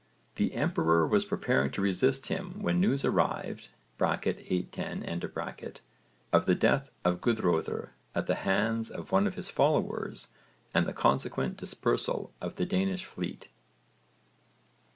The emperor was preparing to resist him when news arrived (810) of the death of Guðröðr at the hands of one of his followers and the consequent dispersal of the Danish fleet.